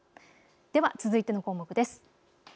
では続いての項目です。